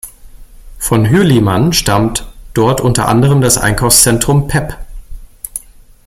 Von Hürlimann stammt dort unter anderem das Einkaufszentrum pep.